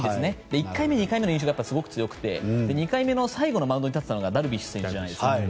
１回目、２回目の印象が強くて２回目の最後のマウンドに立っていたのがダルビッシュ選手じゃないですか。